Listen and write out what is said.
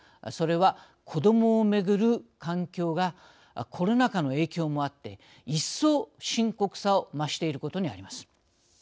それは子どもをめぐる環境がコロナ禍の影響もあって一層深刻さを増していることにあります。